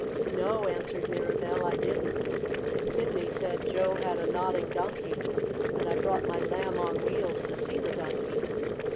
"No," answered Mirabell, "I didn't. But Sidney said Joe had a Nodding Donkey, and I brought my Lamb on Wheels to see the Donkey."